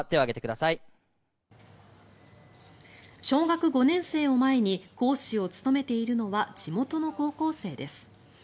小学５年生を前に講師を務めているのは地元の高校生です。